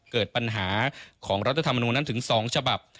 เกิดปัญหาของรัฐธรรมนูลนั้นถึง๒ฉบับ